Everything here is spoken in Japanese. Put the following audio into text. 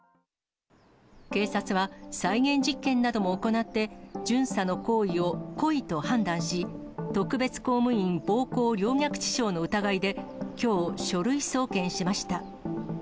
警察は、再現実験なども行って巡査の行為を故意と判断し、特別公務員暴行陵虐致傷の疑いできょう、書類送検しました。